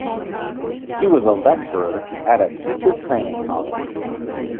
She was a lecturer at a teacher training college.